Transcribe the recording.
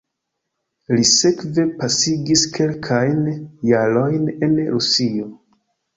Li sekve pasigis kelkajn jarojn en Rusio.